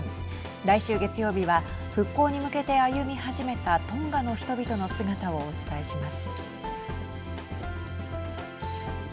来週月曜日は復興に向けて歩み始めたトンガの人々の姿をお伝えします。